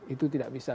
itu tidak bisa